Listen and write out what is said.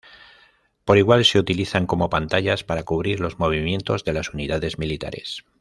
Por igual se utilizan como pantallas para cubrir los movimientos de las unidades militares.